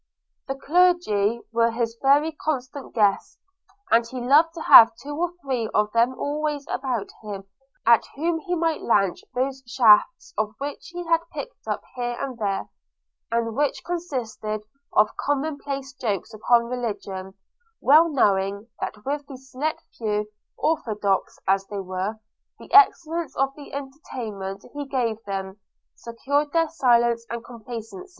– The Clergy were his very constant guests; and he loved to have two or three of them always about him, at whom he might lanch those shafts of wit which he had picked up here and there, and which consisted of common place jokes upon religion; well knowing, that with these select few, orthodox as they were, the excellence of the entertainment he gave them secured their silence and complaisance.